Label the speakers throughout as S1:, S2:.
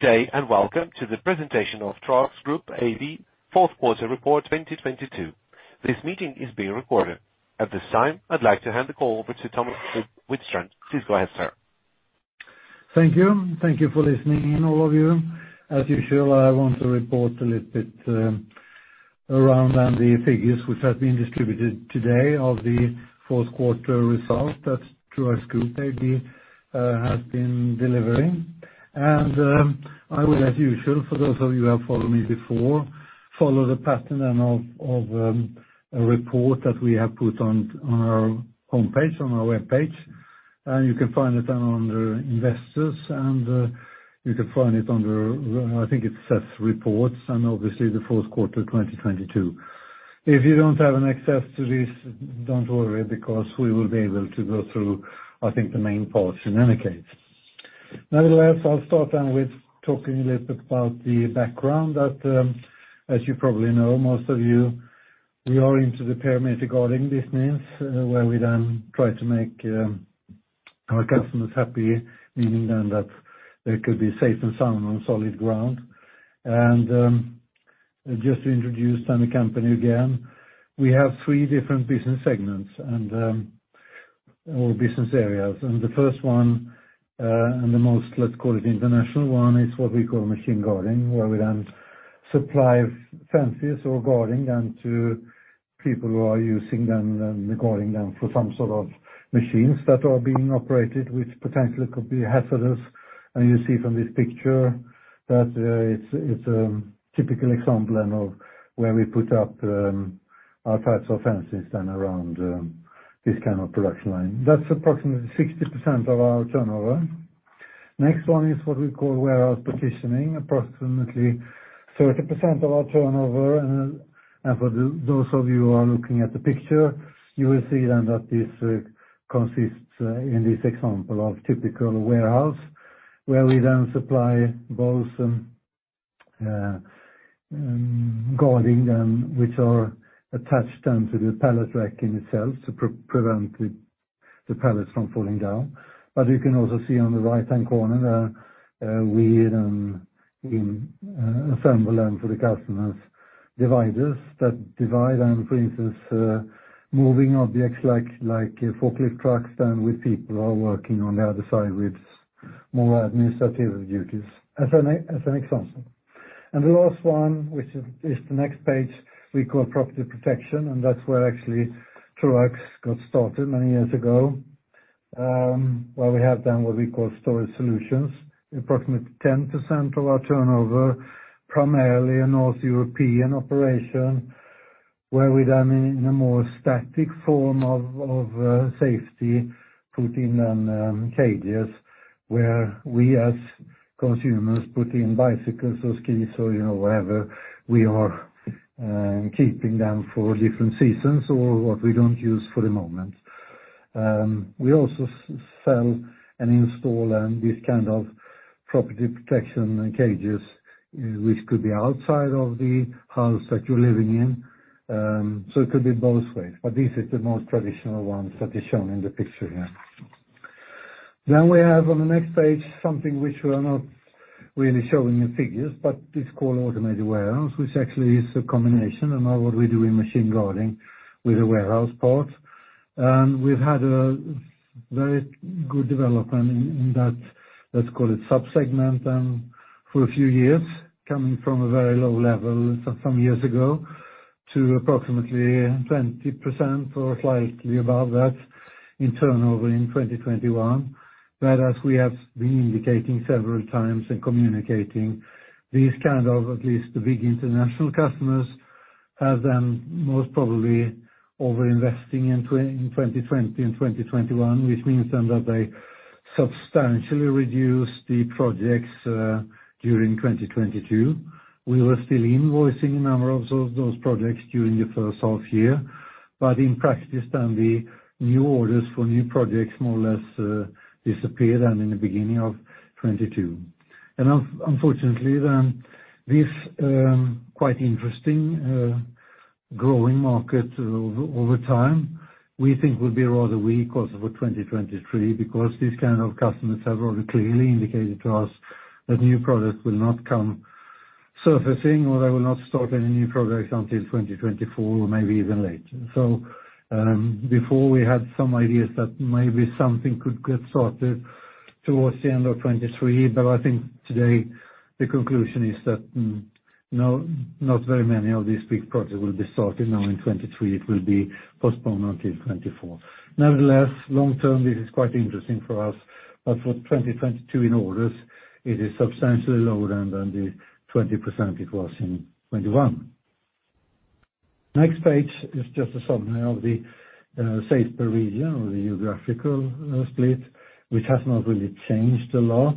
S1: Good day, welcome to the presentation of Troax Group AB fourth quarter report 2022. This meeting is being recorded. At this time, I'd like to hand the call over to Thomas Widstrand. Please go ahead, sir.
S2: Thank you. Thank you for listening in all of you. As usual, I want to report a little bit around on the figures which have been distributed today of the fourth quarter results that Troax Group AB has been delivering. I will, as usual, for those of you who have followed me before, follow the pattern then of a report that we have put on our homepage, on our webpage. You can find it under investors and you can find it under I think it says reports and obviously the fourth quarter of 2022. If you don't have an access to this, don't worry because we will be able to go through, I think, the main parts in any case. Nevertheless, I'll start then with talking a little bit about the background that, as you probably know, most of you, we are into the Perimeter Guarding business, where we then try to make our customers happy, meaning then that they could be safe and sound on solid ground. Just to introduce then the company again, we have three different business segments and, or business areas. The first one, and the most, let's call it international one, is what we call Machine Guarding, where we then supply fences or guarding then to people who are using them and guarding them for some sort of machines that are being operated, which potentially could be hazardous. You see from this picture that it's typical example then of where we put up all types of fences then around this kind of production line. That's approximately 60% of our turnover. Next one is what we call Warehouse Partitioning, approximately 30% of our turnover. For those of you who are looking at the picture, you will see then that this consists in this example of typical warehouse, where we then supply both guarding then, which are attached then to the pallet racking itself to prevent the pallets from falling down. You can also see on the right-hand corner there, we then assemble then for the customers dividers that divide and for instance, moving objects like forklift trucks then with people who are working on the other side with more administrative duties, as an example. The last one, which is the next page, we call Property Protection, and that's where actually Troax got started many years ago, where we have then what we call Storage Solutions, approximately 10% of our turnover, primarily a North European operation, where we then in a more static form of safety put in cages where we as consumers put in bicycles or skis or, you know, whatever we are keeping them for different seasons or what we don't use for the moment. We also sell and install then this kind of Property Protection cages which could be outside of the house that you're living in. It could be both ways. This is the most traditional one that is shown in the picture here. We have on the next page something which we are not really showing in figures, but it's called Automated Warehouse, which actually is a combination of what we do in Machine Guarding with a warehouse part. We've had a very good development in that, let's call it subsegment, for a few years, coming from a very low level some years ago to approximately 20% or slightly above that in turnover in 2021. As we have been indicating several times in communicating, these kind of at least the big international customers have then most probably over-investing in 2020 and 2021, which means then that they substantially reduced the projects during 2022. We were still invoicing a number of those projects during the first half year, but in practice then the new orders for new projects more or less disappeared then in the beginning of 2022. Unfortunately then, this quite interesting growing market over time, we think will be rather weak also for 2023 because these kind of customers have already clearly indicated to us that new products will not come surfacing or they will not start any new projects until 2024 or maybe even later. Before we had some ideas that maybe something could get started towards the end of 2023. I think today the conclusion is that no, not very many of these big projects will be started now in 2023. It will be postponed until 2024. Nevertheless, long term, this is quite interesting for us. For 2022 in orders, it is substantially lower than the 20% it was in 2021. Next page is just a summary of the sales per region or the geographical split, which has not really changed a lot.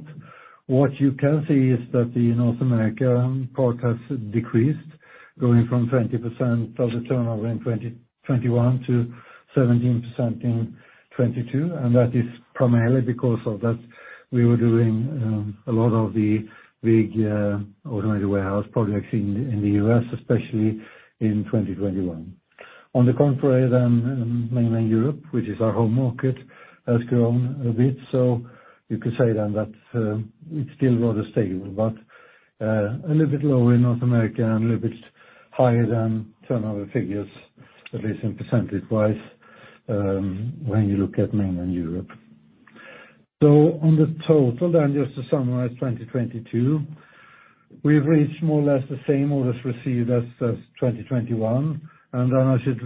S2: What you can see is that the North America part has decreased, going from 20% of the turnover in 2021 to 17% in 2022, and that is primarily because of that we were doing a lot of the big automated warehouse projects in the U.S., especially in 2021. On the contrary, mainland Europe, which is our home market, has grown a bit. You could say that it's still rather stable but a little bit lower in North America and a little bit higher than turnover figures, at least in percentage-wise, when you look at mainland Europe. On the total, just to summarize 2022, we've reached more or less the same orders received as 2021. I should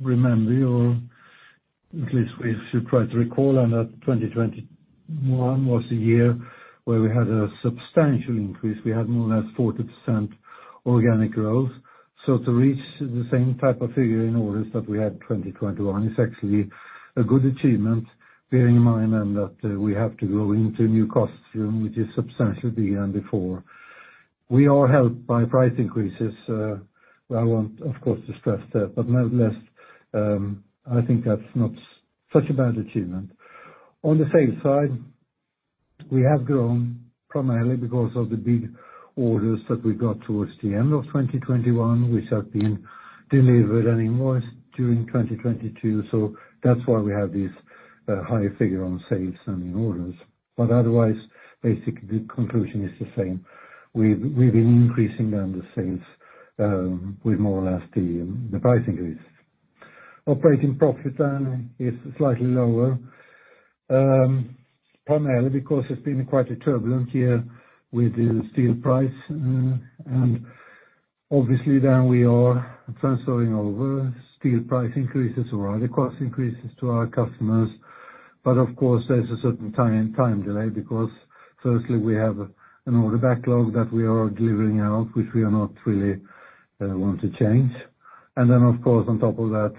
S2: remember you, or at least we should try to recall, that 2021 was the year where we had a substantial increase. We had more or less 40% organic growth. To reach the same type of figure in orders that we had 2021 is actually a good achievement, bearing in mind then that we have to go into a new costume, which is substantially bigger than before. We are helped by price increases, where I want, of course, to stress that. Nonetheless, I think that's not such a bad achievement. On the sales side, we have grown primarily because of the big orders that we got towards the end of 2021, which have been delivered and invoiced during 2022. That's why we have this higher figure on sales and in orders. Otherwise, basically the conclusion is the same. We've been increasing then the sales, with more or less the price increase. Operating profit then is slightly lower, primarily because it's been quite a turbulent year with the steel price. Obviously then we are transferring over steel price increases or other cost increases to our customers. Of course there's a certain time delay because firstly we have an order backlog that we are delivering out, which we are not really want to change. Then, of course, on top of that,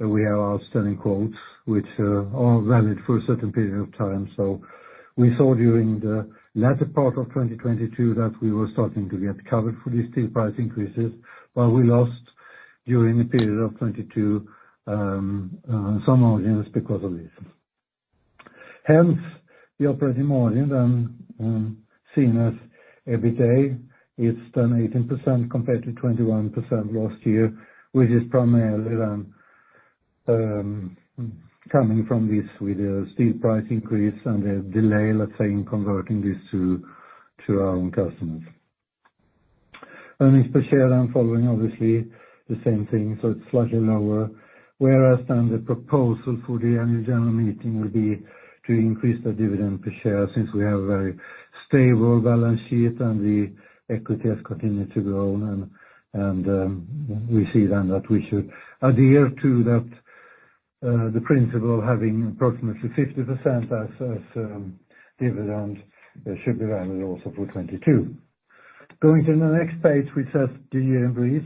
S2: we have our standing quotes, which are valid for a certain period of time. We saw during the latter part of 2022 that we were starting to get covered for these steel price increases, but we lost during the period of 2022, some margins because of this. The operating margin then, seen as EBITDA, it's done 18% compared to 21% last year, which is primarily then, coming from this with a steel price increase and a delay, let's say, in converting this to our own customers. Earnings per share following obviously the same thing, so it's slightly lower. The proposal for the annual general meeting will be to increase the dividend per share, since we have a very stable balance sheet and the equity has continued to grow and, we see then that we should adhere to that, the principle of having approximately 50% as dividends, should be valid also for 2022. Going to the next page, which has the year in brief.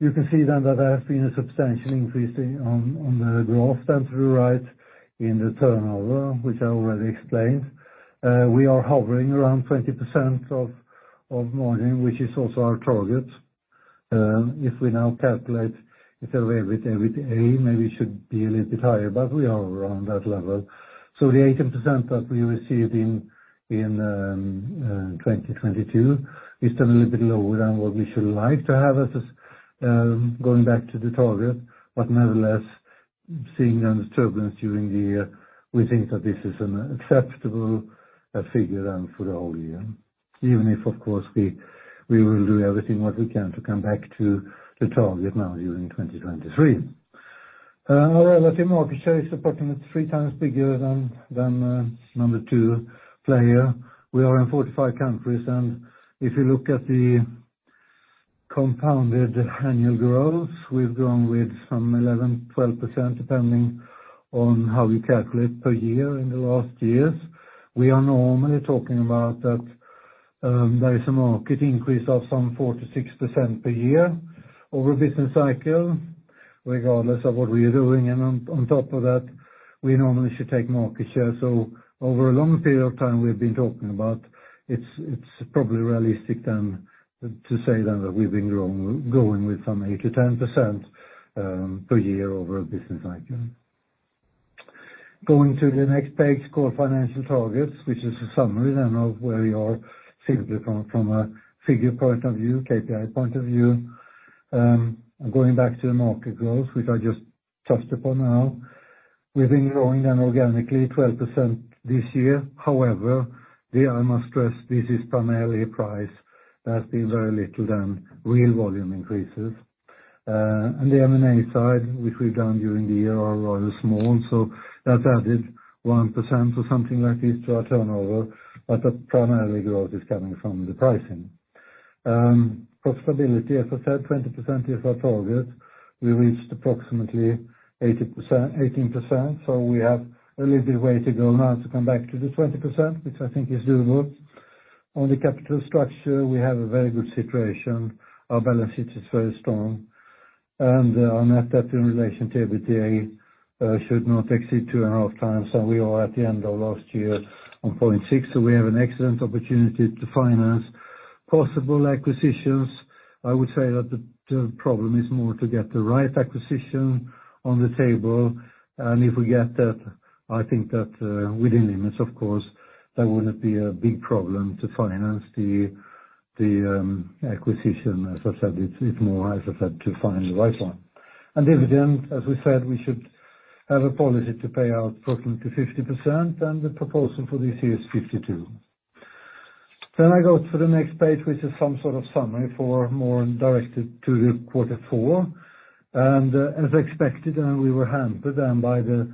S2: You can see then that there has been a substantial increase in the growth then through right in the turnover, which I already explained. We are hovering around 20% of margin, which is also our target. If we now calculate EBITDA with A, maybe it should be a little bit higher, but we are around that level. The 18% that we received in 2022 is still a little bit lower than what we should like to have as going back to the target. Nevertheless, seeing then the turbulence during the year, we think that this is an acceptable figure then for the whole year, even if, of course, we will do everything what we can to come back to the target now during 2023. Our relative market share is approximately three times bigger than number two player. We are in 45 countries, and if you look at the compounded annual growth, we've grown with some 11-12%, depending on how you calculate per year in the last years. We are normally talking about that there is a market increase of some 4%-6% per year over a business cycle, regardless of what we are doing. On top of that, we normally should take market share. Over a long period of time we've been talking about, it's probably realistic to say that we've been growing with some 8%-10% per year over a business cycle. Going to the next page, core financial targets, which is a summary of where we are simply from a figure point of view, KPI point of view. Going back to the market growth, which I just touched upon now, we've been growing organically 12% this year. However, there I must stress this is primarily price. There has been very little than real volume increases. The M&A side, which we've done during the year, are rather small. That's added 1% or something like this to our turnover, but that primarily growth is coming from the pricing. Profitability, as I said, 20% is our target. We reached approximately 18%, so we have a little bit way to go now to come back to the 20%, which I think is doable. On the capital structure, we have a very good situation. Our balance sheet is very strong. Our net debt in relation to EBITDA should not exceed 2.5x, and we are at the end of last year on 0.6. We have an excellent opportunity to finance possible acquisitions. I would say that the problem is more to get the right acquisition on the table. If we get that, I think that, within limits of course, that wouldn't be a big problem to finance the acquisition, as I said, it's more, as I said, to find the right one. Dividend, as we said, we should have a policy to pay out approximately 50%, and the proposal for this year is 52%. I go to the next page, which is some sort of summary for more directed to the quarter four. As expected, we were hampered then by the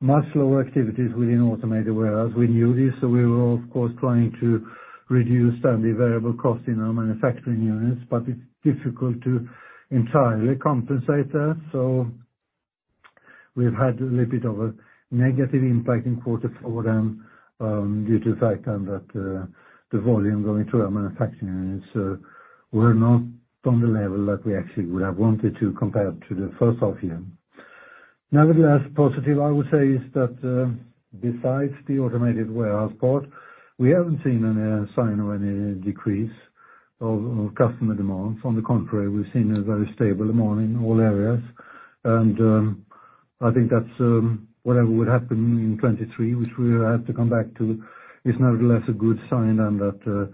S2: much slower activities within Automated Warehouse. We knew this, we were of course trying to reduce the variable cost in our manufacturing units. It's difficult to entirely compensate that, so we've had a little bit of a negative impact in quarter 4 then, due to the fact then that the volume going through our manufacturing units were not on the level that we actually would have wanted to compared to the first half year. Nevertheless, positive I would say is that besides the Automated Warehouse part, we haven't seen any sign of any decrease of customer demands. On the contrary, we've seen a very stable demand in all areas. I think that's whatever would happen in 23, which we will have to come back to, is nevertheless a good sign. That,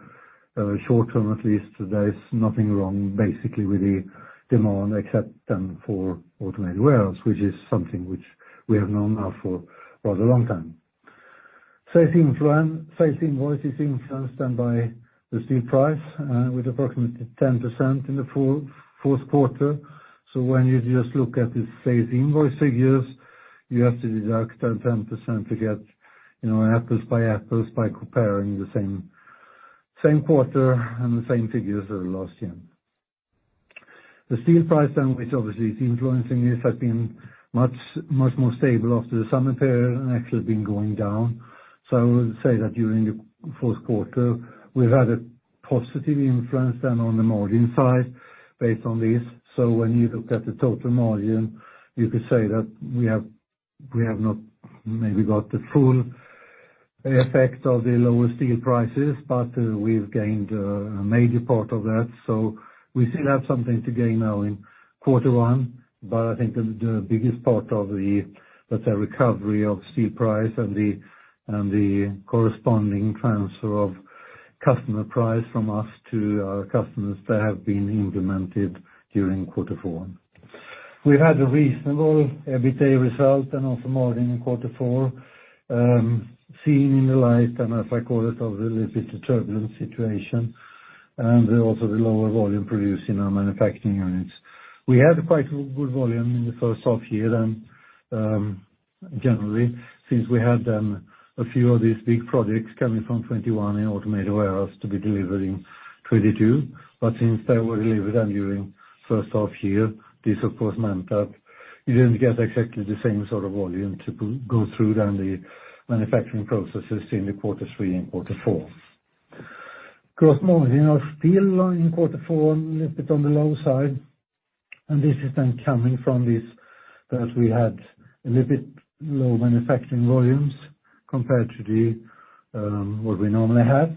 S2: short term at least, there is nothing wrong basically with the demand, except then for Automated Warehouse, which is something which we have known now for quite a long time. Sales invoice is influenced by the steel price, with approximately 10% in the fourth quarter. When you just look at the sales invoice figures, you have to deduct 10% to get, you know, apples by apples by comparing the same quarter and the same figures as last year. The steel price, which obviously is influencing this, has been much more stable after the summer period and actually been going down. I would say that during the fourth quarter we've had a positive influence then on the margin side based on this. When you look at the total margin, you could say that we have not maybe got the full effect of the lower steel prices, but we've gained a major part of that. We still have something to gain now in quarter one. I think the biggest part of the, let's say, recovery of steel price and the, and the corresponding transfer of customer price from us to our customers that have been implemented during quarter four. We had a reasonable EBITA result and also margin in quarter four, seen in the light, and as I call it, of a little bit of turbulent situation, and also the lower volume produced in our manufacturing units. We had quite a good volume in the first half year then, generally, since we had then a few of these big projects coming from 21 in Automated Warehouse to be delivered in 22. Since they were delivered then during first half-year, this of course meant that you didn't get exactly the same sort of volume to go through then the manufacturing processes in quarter 3 and quarter 4. Gross margin of steel in quarter 4, a little bit on the low side. This is then coming from this, that we had a little bit low manufacturing volumes compared to what we normally have.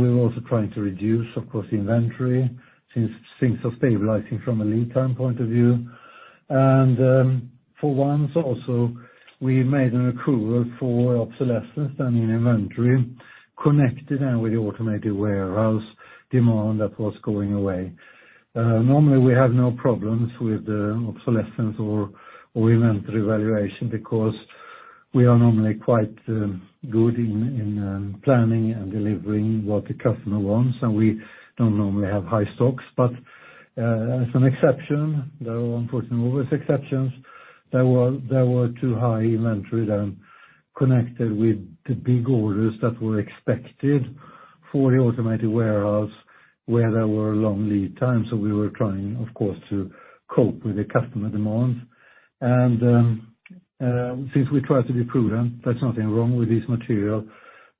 S2: We were also trying to reduce, of course, the inventory since things are stabilizing from a lead time point of view. For once also, we made an accrual for obsolescence then in inventory connected then with the Automated Warehouse demand that was going away. Normally we have no problems with obsolescence or inventory valuation because we are normally quite good in planning and delivering what the customer wants, and we don't normally have high stocks. As an exception, there are unfortunately always exceptions, there were too high inventory then connected with the big orders that were expected for the Automated Warehouse, where there were long lead times. We were trying, of course, to cope with the customer demands. Since we try to be prudent, there's nothing wrong with this material.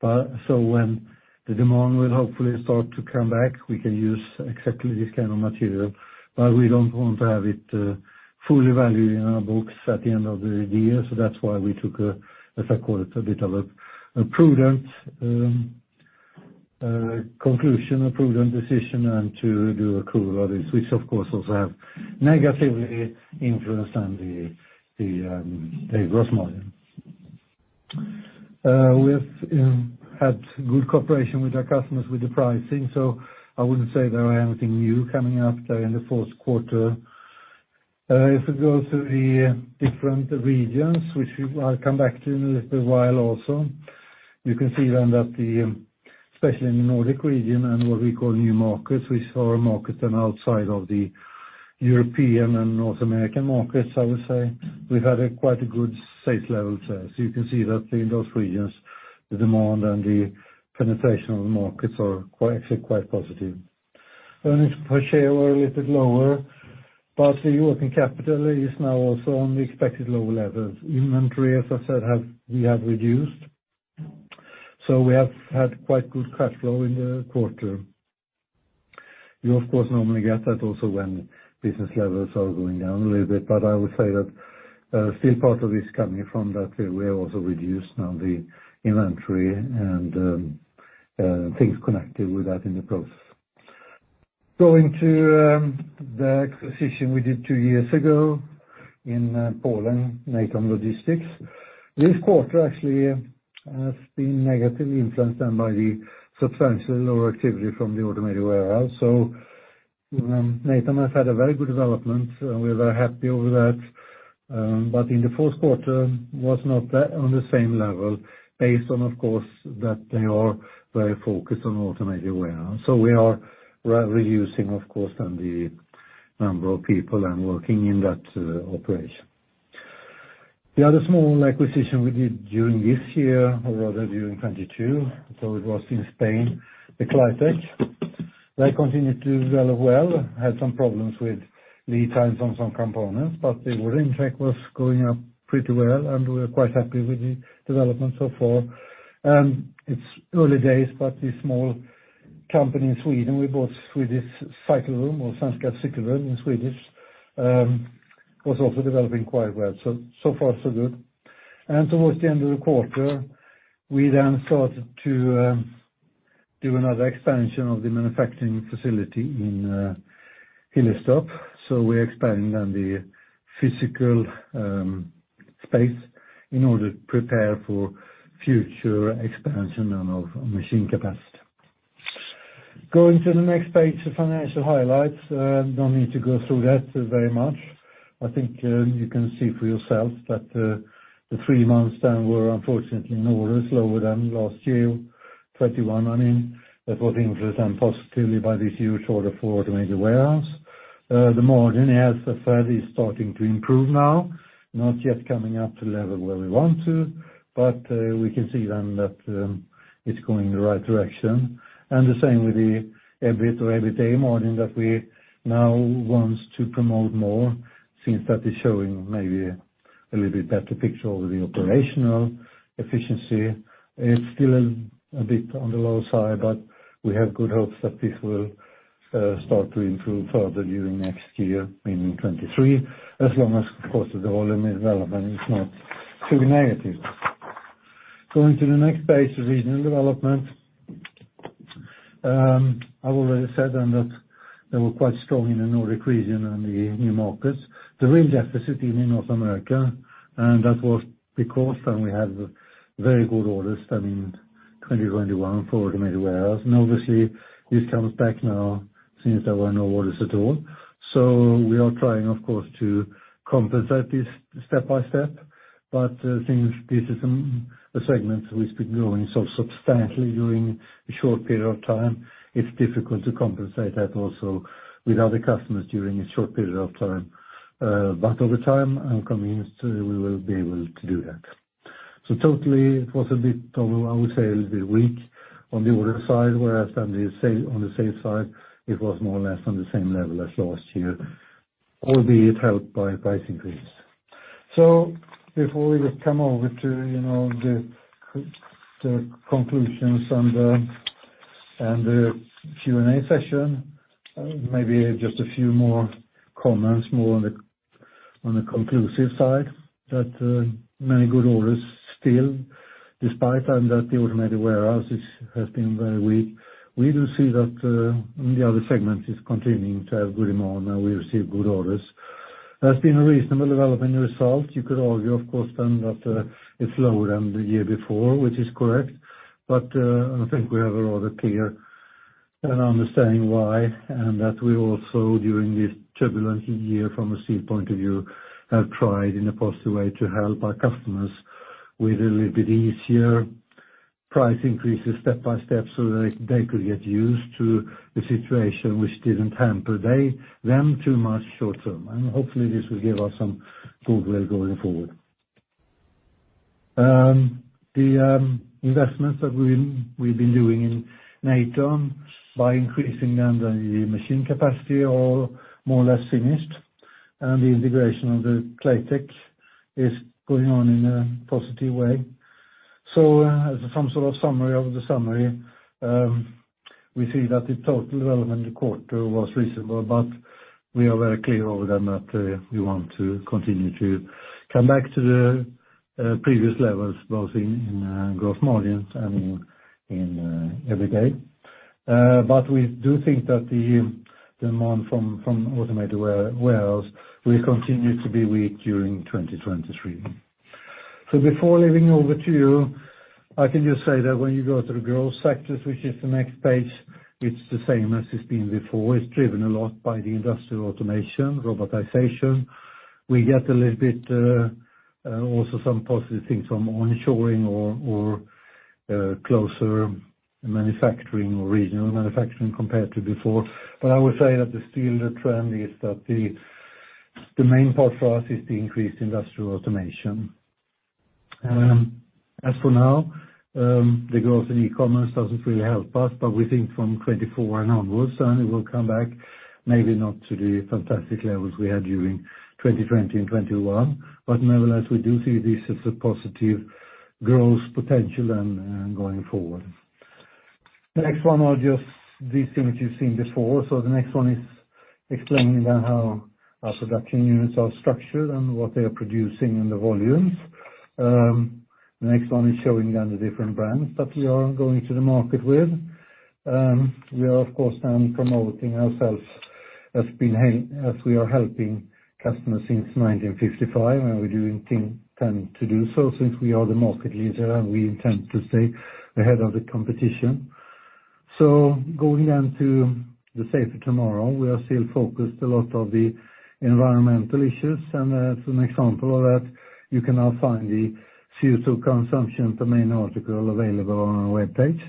S2: When the demand will hopefully start to come back, we can use exactly this kind of material, but we don't want to have it fully valued in our books at the end of the year. That's why we took a, as I call it, a bit of a prudent conclusion, a prudent decision and to do accrual of this, which of course also have negatively influenced on the gross margin. We've had good cooperation with our customers with the pricing, so I wouldn't say there were anything new coming up there in the fourth quarter. If you go to the different regions, I'll come back to in a little while also. You can see then that the especially in the Nordic region and what we call New Markets, we saw a market then outside of the European and North American markets, I would say. We've had a quite a good sales levels there. You can see that in those regions, the demand and the penetration of the markets are quite, actually quite positive. Earnings per share were a little bit lower. The working capital is now also on the expected lower levels. Inventory, as I said, we have reduced. We have had quite good cash flow in the quarter. You of course normally get that also when business levels are going down a little bit. I would say that, still part of this coming from that we are also reduced now the inventory and things connected with that in the process. Going to the acquisition we did 2 years ago in Poland, Natom Logistic. This quarter actually has been negatively influenced then by the substantial lower activity from the Automated Warehouse. Natom has had a very good development, and we're very happy over that. In the fourth quarter was not on the same level based on, of course, that they are very focused on Automated Warehouse. We are reducing, of course, then the number of people and working in that operation. The other small acquisition we did during this year or rather during 2022, so it was in Spain, the Claitec. They continue to develop well. Had some problems with lead times on some components, but the range check was going up pretty well, and we're quite happy with the development so far. It's early days, but this small company in Sweden, we bought Swedish Cycle Room or Svenska Cykelrum in Swedish, was also developing quite well. So far so good. Towards the end of the quarter, we started to do another expansion of the manufacturing facility in Hillerstorp. We expanded on the physical space in order to prepare for future expansion on our machine capacity. Going to the next page, the financial highlights, don't need to go through that very much. I think, you can see for yourselves that the 3 months were unfortunately in order is lower than last year, 2021, I mean. That was influenced and positively by this huge order for Automated Warehouse. The margin as referred is starting to improve now, not yet coming up to level where we want to. We can see that it's going in the right direction. The same with the EBIT or EBITDA margin that we now wants to promote more since that is showing maybe a little bit better picture over the operational efficiency. It's still a bit on the lower side, but we have good hopes that this will start to improve further during next year, meaning 2023, as long as, of course, the volume development is not too negative. Going to the next page, regional development. I've already said then that they were quite strong in the Nordic region and the new markets. The real deficit in North America, that was because then we had very good orders done in 2021 for automated warehouse. Obviously, this comes back now since there were no orders at all. We are trying, of course, to compensate this step by step. Since this is a segment which been growing so substantially during a short period of time, it's difficult to compensate that also with other customers during a short period of time. Over time, I'm convinced we will be able to do that. Totally, it was a bit, I would say, a little bit weak on the order side, whereas on the sales side, it was more or less on the same level as last year, albeit helped by price increase. Before we come over to, you know, the conclusions and the Q&A session, maybe just a few more comments more on the, on the conclusive side that many good orders still, despite then that the Automated Warehouse has been very weak. We do see that in the other segments is continuing to have good demand, and we receive good orders. That's been a reasonable development result. You could argue, of course, then that it's lower than the year before, which is correct. And I think we have a rather clear understanding why, and that we also, during this turbulent year from a CO₂ point of view, have tried in a positive way to help our customers with a little bit easier price increases step by step, so they could get used to the situation which didn't hamper them too much short term. Hopefully, this will give us some goodwill going forward. The investments that we've been doing in Natom by increasing then the machine capacity are more or less finished, and the integration of the Claitec is going on in a positive way. As some sort of summary of the summary, we see that the total development in the quarter was reasonable, but we are very clear over then that we want to continue to come back to the previous levels, both in gross margins and in EBITDA. We do think that the demand from Automated Warehouse will continue to be weak during 2023. Before leaving over to you, I can just say that when you go through growth sectors, which is the next page, it's the same as it's been before. It's driven a lot by the industrial automation, robotization. We get a little bit also some positive things from onshoring or closer manufacturing or regional manufacturing compared to before. I would say that still the trend is that the main part for us is the increased industrial automation. As for now, the growth in e-commerce doesn't really help us, we think from 2024 and onwards, it will come back, maybe not to the fantastic levels we had during 2020 and 2021. Nevertheless, we do see this as a positive growth potential and going forward. The next one are just these things you've seen before. The next one is explaining how our production units are structured and what they are producing and the volumes. The next one is showing you on the different brands that we are going to the market with. We are of course promoting ourselves as being as we are helping customers since 1955, and we're doing things then to do so since we are the market leader, and we intend to stay ahead of the competition. Going down to the safer tomorrow, we are still focused a lot of the environmental issues and as an example of that, you can now find the CO₂ consumption per main article available on our webpage,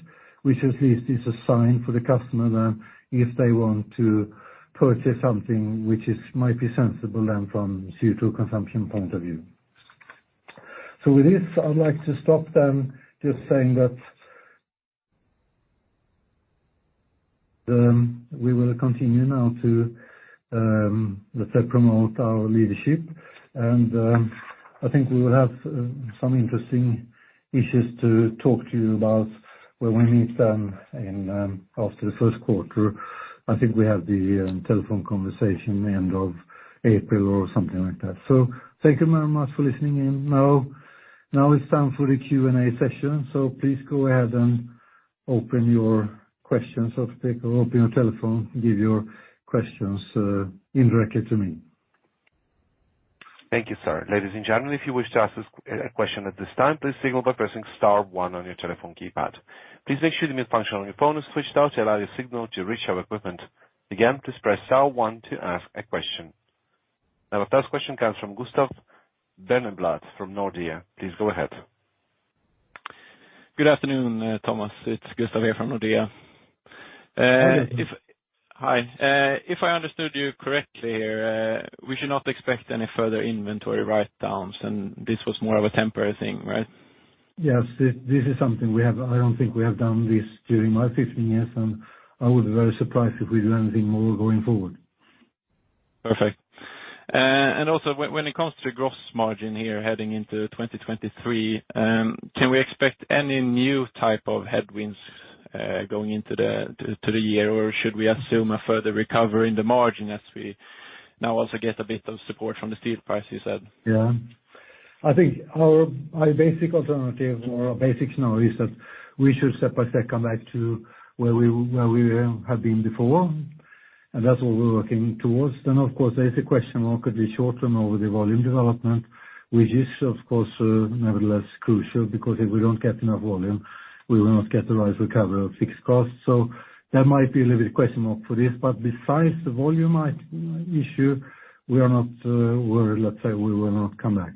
S2: which at least is a sign for the customer that if they want to purchase something which might be sensible than from CO₂ consumption point of view. With this, I'd like to stop then just saying that we will continue now to, let's say promote our leadership. I think we will have some interesting issues to talk to you about when we meet then in after the first quarter. I think we have the telephone conversation end of April or something like that. Thank you very much for listening in. Now it's time for the Q&A session, so please go ahead and open your questions or take open your telephone, give your questions indirectly to me.
S1: Thank you, sir. Ladies and gentlemen, if you wish to ask us a question at this time, please signal by pressing star one on your telephone keypad. Please make sure the mute function on your phone is switched out to allow your signal to reach our equipment. Again, please press star one to ask a question. Now, our first question comes from Gustav Berneblad from Nordea. Please go ahead.
S3: Good afternoon, Thomas. It's Gustav here from Nordea.
S2: Good afternoon.
S3: Hi. If I understood you correctly here, we should not expect any further inventory write-downs, and this was more of a temporary thing, right?
S2: Yes. This is something I don't think we have done this during my 15 years, and I would be very surprised if we do anything more going forward.
S3: Perfect. Also when it comes to gross margin here heading into 2023, can we expect any new type of headwinds going into the year? Should we assume a further recovery in the margin as we now also get a bit of support from the steel price, you said?
S2: Yeah. I think our basic alternative or our basic know is that we should step by second back to where we have been before, and that's what we're working towards. Of course, there is a question mark with the short term over the volume development, which is of course, nevertheless crucial because if we don't get enough volume, we will not get the right recovery of fixed costs. That might be a little bit question mark for this, but besides the volume issue, we are not worried, let's say, we will not come back.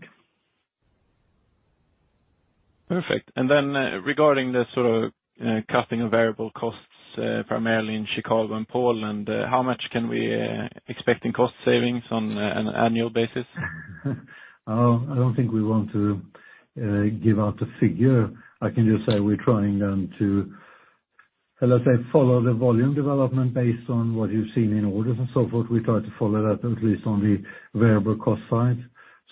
S3: Perfect. Regarding the sort of cutting of variable costs, primarily in Chicago and Poland, how much can we expect in cost savings on an annual basis?
S2: I don't think we want to give out a figure. I can just say we're trying then to, let's say, follow the volume development based on what you've seen in orders and so forth. We try to follow that at least on the variable cost side.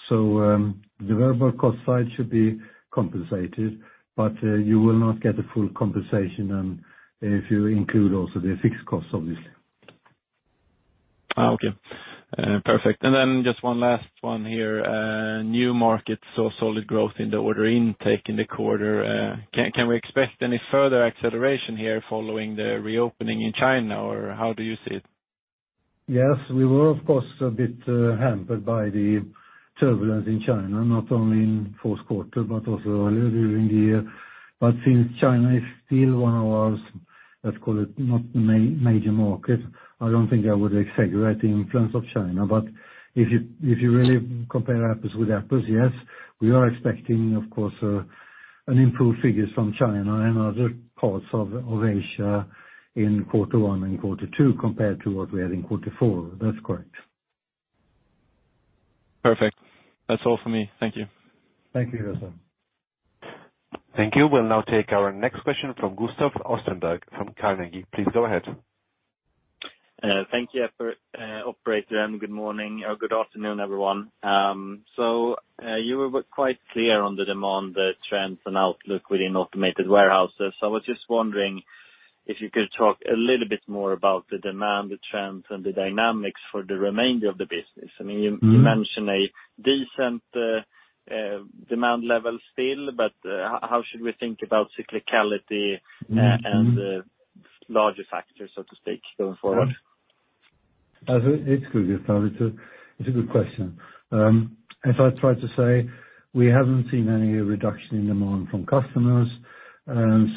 S2: The variable cost side should be compensated, but you will not get a full compensation if you include also the fixed costs, obviously.
S3: Okay. Perfect. Just one last one here. New Markets, solid growth in the order intake in the quarter. Can we expect any further acceleration here following the reopening in China? How do you see it?
S2: Yes. We were of course a bit hampered by the turbulence in China, not only in fourth quarter but also earlier during the year. Since China is still one of our, let's call it, not major market, I don't think I would exaggerate the influence of China. If you really compare apples with apples, yes, we are expecting, of course, an improved figures from China and other parts of Asia in quarter one and quarter two compared to what we had in quarter four. That's correct.
S3: Perfect. That's all for me. Thank you.
S2: Thank you, Gustav.
S1: Thank you. We'll now take our next question from Gustav Österberg from Carnegie. Please go ahead.
S4: Thank you, operator, good morning or good afternoon, everyone. You were quite clear on the demand, the trends and outlook within Automated Warehouses. So I was just wondering if you could talk a little bit more about the demand, the trends and the dynamics for the remainder of the business. I mean-
S2: Mm-hmm.
S4: You mentioned a decent demand level still, but how should we think about cyclicality?
S2: Mm-hmm.
S4: The larger factors, so to speak, going forward?
S2: It's good, Gustav. It's a good question. As I tried to say, we haven't seen any reduction in demand from customers.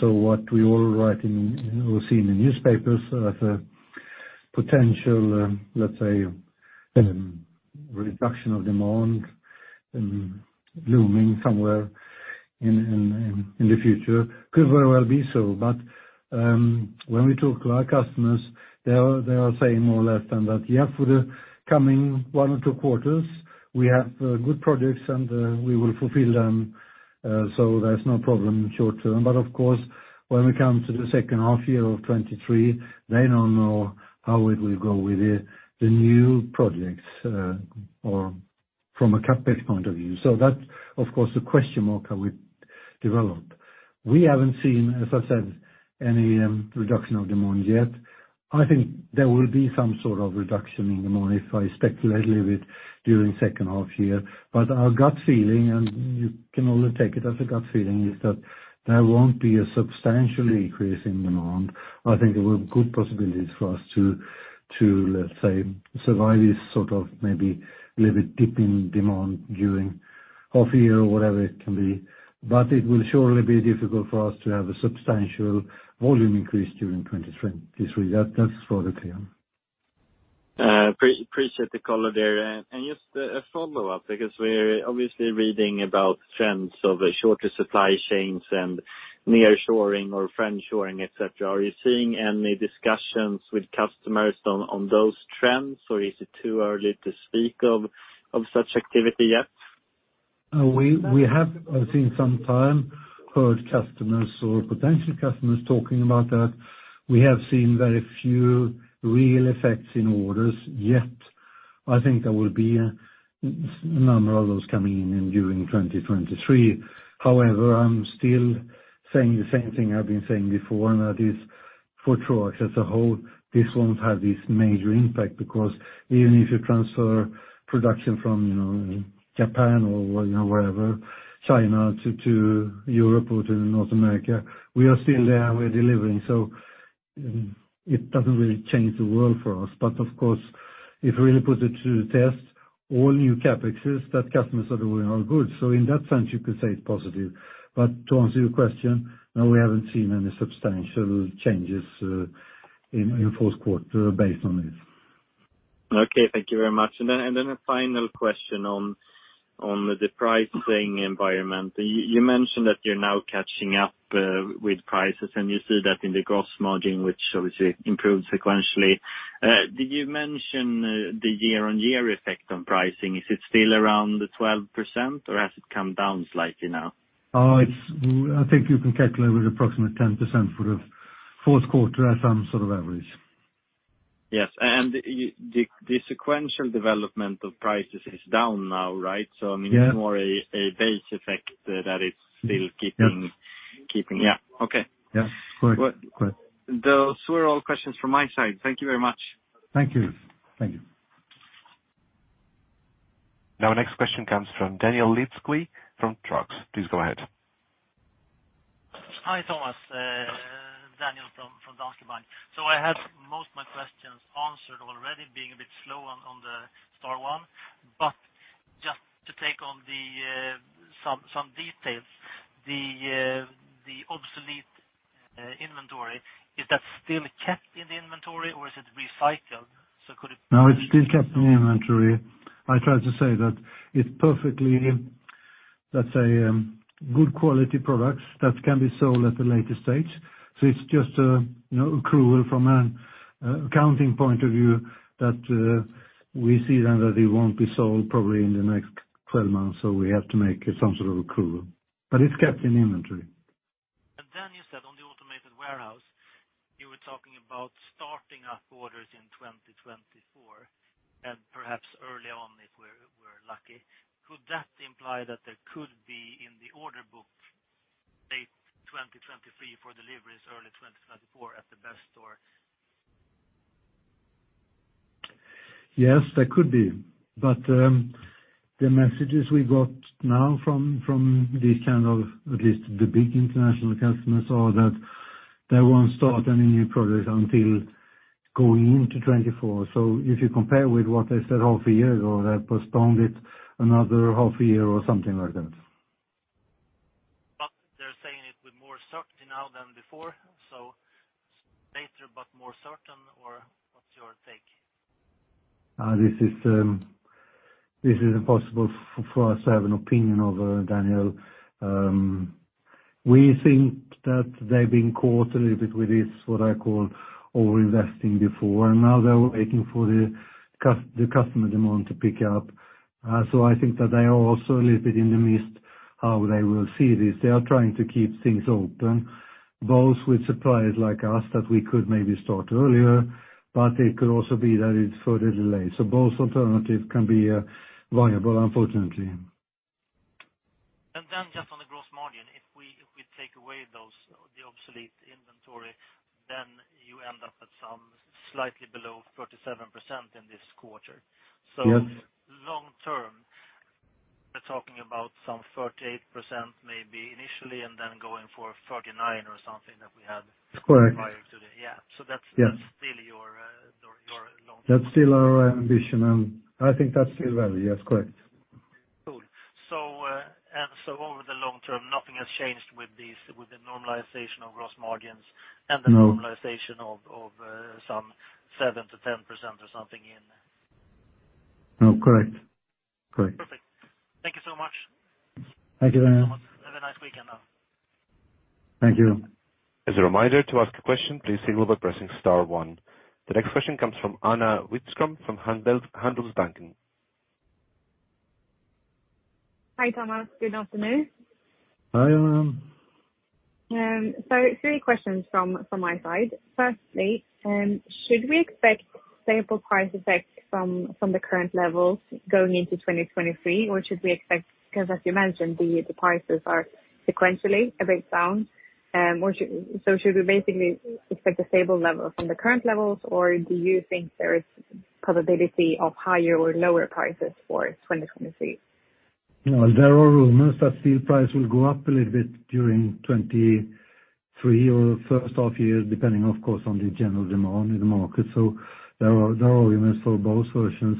S2: What we all write in or see in the newspapers as a potential, let's say, reduction of demand, looming somewhere in the future could very well be so. When we talk to our customers, they are saying more or less than that. Yeah, for the coming 1 or 2 quarters, we have good projects, and we will fulfill them, there's no problem short term. Of course, when we come to the second half year of 2023, they don't know how it will go with the new projects, or from a CapEx point of view. That's of course a question mark that weDeveloped. We haven't seen, as I said, any reduction of demand yet. I think there will be some sort of reduction in demand if I speculate a little bit during second half year. Our gut feeling, and you can only take it as a gut feeling, is that there won't be a substantial increase in demand. I think there were good possibilities for us to, let's say, survive this sort of maybe a little bit dip in demand during half year or whatever it can be. It will surely be difficult for us to have a substantial volume increase during 23. That's for the clear.
S4: Appreciate the call there. Just a follow-up, because we're obviously reading about trends of shorter supply chains and nearshoring or friendshoring, et cetera. Are you seeing any discussions with customers on those trends, or is it too early to speak of such activity yet?
S2: We have, I think some time heard customers or potential customers talking about that. We have seen very few real effects in orders, yet I think there will be a number of those coming in during 2023. I'm still saying the same thing I've been saying before, and that is for Troax as a whole, this won't have this major impact, because even if you transfer production from, you know, Japan or, you know, wherever, China to Europe or to North America, we are still there, we're delivering. It doesn't really change the world for us. Of course, if we really put it to test all new CapExes that customers are doing are good. In that sense, you could say it's positive. To answer your question, no, we haven't seen any substantial changes in fourth quarter based on this.
S4: Okay, thank you very much. Then, a final question on the pricing environment. You mentioned that you're now catching up with prices, and you see that in the gross margin, which obviously improved sequentially. Did you mention the year-over-year effect on pricing? Is it still around the 12% or has it come down slightly now?
S2: I think you can calculate with approximately 10% for the fourth quarter as some sort of average.
S4: Yes. the sequential development of prices is down now, right?
S2: Yeah.
S4: I mean, it's more a base effect that it's still.
S2: Yeah.
S4: Yeah. Okay.
S2: Yeah. Correct.
S4: Good. Those were all questions from my side. Thank you very much.
S2: Thank you. Thank you.
S1: Next question comes from Daniel Lindkvist from Troax. Please go ahead.
S5: Hi, Thomas. Daniel from Danske Bank. I had most of my questions answered already being a bit slow on the star one. Just to take on the some details. The obsolete inventory, is that still kept in the inventory or is it recycled?
S2: No, it's still kept in the inventory. I tried to say that it's perfectly, let's say, good quality products that can be sold at a later stage. It's just, you know, accrual from an accounting point of view that we see then that it won't be sold probably in the next 12 months, so we have to make some sort of accrual. It's kept in inventory.
S5: You said on the Automated Warehouse, you were talking about starting up orders in 2024, and perhaps early on, if we're lucky. Could that imply that there could be in the order book late 2023 for deliveries early 2024 at the best store?
S2: Yes, there could be. The messages we got now from this kind of at least the big international customers are that they won't start any new projects until going into 2024. If you compare with what they said half a year ago, they postponed it another half a year or something like that.
S5: They're saying it with more certainty now than before, so later but more certain or what's your take?
S2: This is impossible for us to have an opinion of, Daniel. We think that they've been caught a little bit with this, what I call over-investing before, and now they're waiting for the customer demand to pick up. I think that they are also a little bit in the midst how they will see this. They are trying to keep things open, both with suppliers like us that we could maybe start earlier, but it could also be that it's further delayed. Both alternatives can be viable, unfortunately.
S5: Just on the gross margin, if we take away the obsolete inventory, then you end up at some slightly below 37% in this quarter.
S2: Yes.
S5: Long-term, we're talking about some 38% maybe initially and then going for 49 or something that we had.
S2: Correct.
S5: Yeah.
S2: Yes.
S5: Still your long-term
S2: That's still our ambition. I think that's still valid. Yes, correct.
S5: Cool. Over the long term, nothing has changed with this, with the normalization of gross margins-
S2: No.
S5: The normalization of some 7%-10% or something in.
S2: No, correct. Correct.
S5: Perfect. Thank you so much.
S2: Thank you, Daniel.
S5: Have a nice weekend now.
S2: Thank you.
S1: As a reminder to ask a question, please signal by pressing star one. The next question comes from Anna Lindholm-Widström from Handelsbanken.
S6: Hi, Thomas. Good afternoon.
S2: Hi, Anna.
S6: Three questions from my side. Firstly, should we expect stable price effect from the current levels going into 2023? Should we expect? 'Cause as you mentioned, the prices are sequentially a bit down. Should we basically expect a stable level from the current levels, or do you think there is probability of higher or lower prices for 2023?
S2: No, there are rumors that steel price will go up a little bit during 2023 or first half year, depending of course on the general demand in the market. There are rumors for both versions.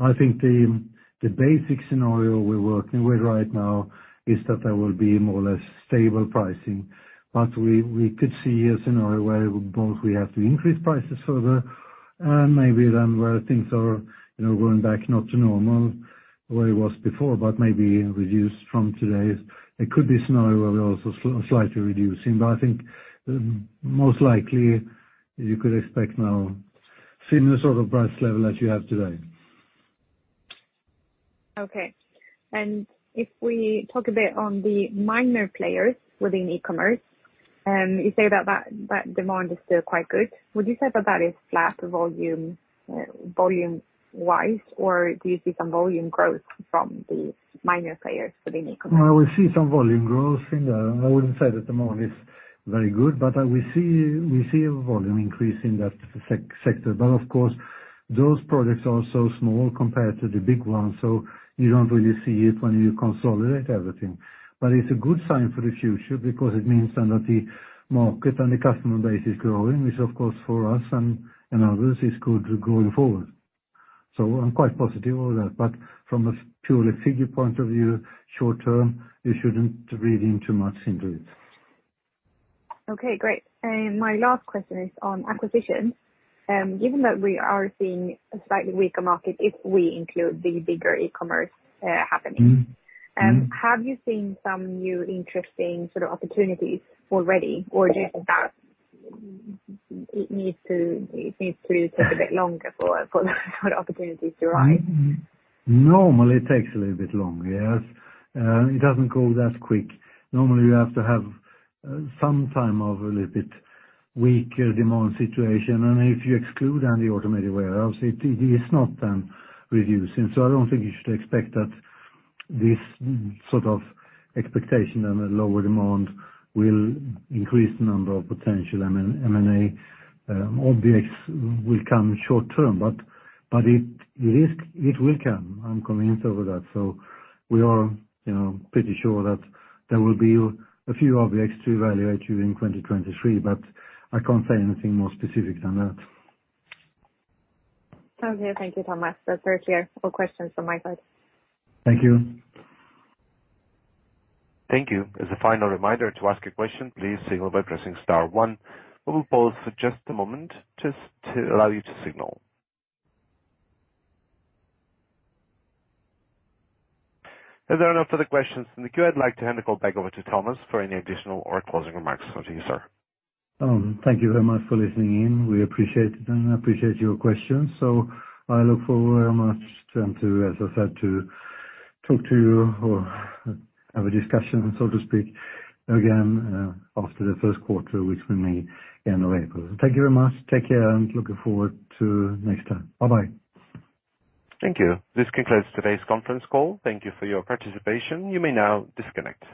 S2: I think the basic scenario we're working with right now is that there will be more or less stable pricing. We could see a scenario where both we have to increase prices further, and maybe then where things are, you know, going back not to normal the way it was before, but maybe reduced from today's. It could be a scenario where we're also slightly reducing. I think most likely you could expect now similar sort of price level that you have today.
S6: Okay. If we talk a bit on the minor players within e-commerce, you say that demand is still quite good. Would you say that that is flat volume-wise, or do you see some volume growth from the minor players within e-commerce?
S2: We see some volume growth in there. I wouldn't say that the volume is very good, but we see a volume increase in that sector. Of course, those products are so small compared to the big ones, so you don't really see it when you consolidate everything. It's a good sign for the future because it means then that the market and the customer base is growing, which of course for us and others is good going forward. I'm quite positive of that. From a purely figure point of view, short term, you shouldn't read in too much into it.
S6: Okay, great. My last question is on acquisitions. Given that we are seeing a slightly weaker market if we include the bigger e-commerce.
S2: Mm-hmm.
S6: Have you seen some new interesting sort of opportunities already? Do you think that it needs to take a bit longer for opportunities to arise?
S2: Normally it takes a little bit longer, yes. It doesn't go that quick. Normally, you have to have some time of a little bit weaker demand situation. If you exclude any Automated Warehouse, it is not then reducing. I don't think you should expect that this sort of expectation and a lower demand will increase the number of potential M&A objects will come short term. It will come, I'm convinced over that. We are, you know, pretty sure that there will be a few objects to evaluate during 2023, but I can't say anything more specific than that.
S6: Okay, thank you, Thomas. That's actually all questions from my side.
S2: Thank you.
S1: Thank you. As a final reminder to ask a question, please signal by pressing star one. We will pause for just a moment just to allow you to signal. There are no further questions in the queue, I'd like to hand the call back over to Thomas for any additional or closing remarks from you, sir.
S2: Thank you very much for listening in. We appreciate your questions. I look forward very much then to, as I said, to talk to you or have a discussion, so to speak, again, after the first quarter, which will be in April. Thank you very much. Take care, and looking forward to next time. Bye-bye.
S1: Thank you. This concludes today's conference call. Thank you for your participation. You may now disconnect.